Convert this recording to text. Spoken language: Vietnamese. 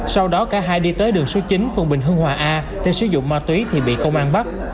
sau đó cả hai đi tới đường số chín phường bình hưng hòa a để sử dụng ma túy thì bị công an bắt